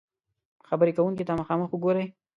-خبرې کونکي ته مخامخ وګورئ